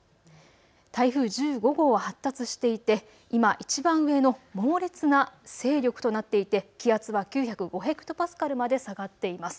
台風１５号は発達していて今いちばん上の猛烈な勢力となっていて気圧は９０５ヘクトパスカルまで下がっています。